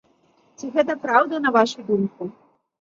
Ці гэта праўда, на вашу думку?